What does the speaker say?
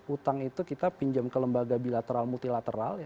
utang itu kita pinjam ke lembaga bilateral multilateral